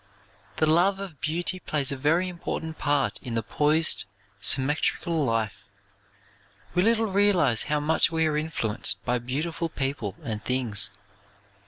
The love of beauty plays a very important part in the poised, symmetrical life. We little realize how much we are influenced by beautiful people and things.